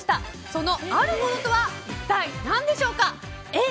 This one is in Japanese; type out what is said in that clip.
そのあるものとは一体なんでしょうか。